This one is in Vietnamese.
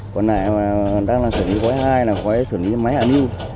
còn lại đang sửa lý quái hai là quái sửa lý máy hạ lưu